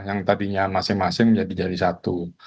yang tadinya masing masing menjadi jadi satu